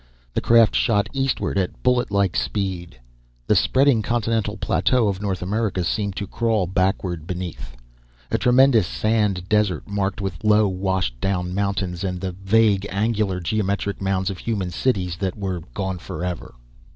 The craft shot eastward at bullet like speed. The spreading continental plateau of North America seemed to crawl backward, beneath. A tremendous sand desert, marked with low, washed down mountains, and the vague, angular, geometric mounds of human cities that were gone forever.